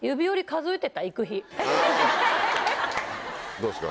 どうですか？